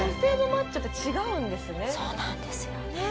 そうなんですよね。